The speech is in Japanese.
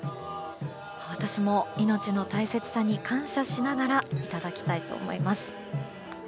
私も、命の大切さに感謝しながらいただきたいと思います。